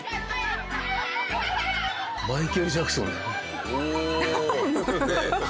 マイケル・ジャクソン。